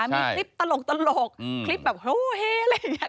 มีคลิปตลกคลิปแบบโฮเฮอะไรอย่างนี้